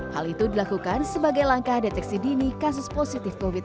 hal itu dilakukan sebagai langkah deteksi dini kasus positif covid sembilan belas